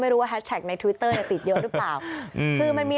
ไม่รู้ว่าแฮชแท็กในทวิตเตอร์จะติดเยอะหรือเปล่า